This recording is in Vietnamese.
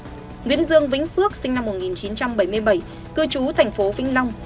nguyễn dương vĩnh phước sinh năm một nghìn chín trăm bảy mươi bảy cư trú thành phố vĩnh long